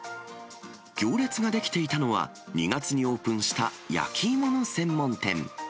行列が出来ていたのは、２月にオープンした焼き芋の専門店。